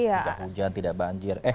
tidak hujan tidak banjir